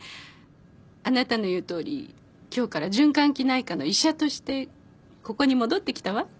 あなたの言うとおり今日から循環器内科の医者としてここに戻ってきたわ。